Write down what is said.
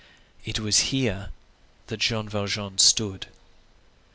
It was here that Jean Valjean stood.